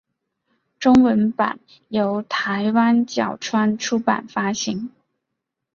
中文版由台湾角川出版发行。